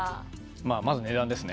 まあまず値段ですね。